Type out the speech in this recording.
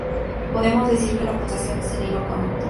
Podemos decir que la pulsación es el hilo conductor.